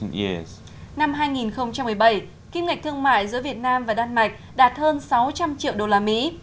năm hai nghìn một mươi bảy kim ngạch thương mại giữa việt nam và đan mạch đạt hơn sáu trăm linh triệu đô la mỹ